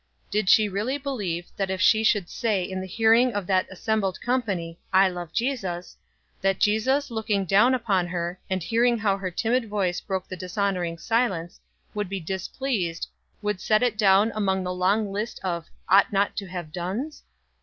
Did she really believe that if she should say in the hearing of that assembled company, "I love Jesus," that Jesus, looking down upon her, and hearing how her timid voice broke the dishonoring silence, would be displeased, would set it down among the long list of "ought not to have" dones?